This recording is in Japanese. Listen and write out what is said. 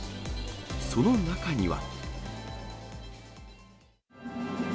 その中には。